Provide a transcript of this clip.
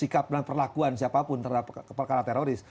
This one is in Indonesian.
sikap dan perlakuan siapapun terhadap perkara teroris